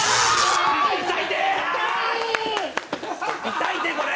痛いて、これ！！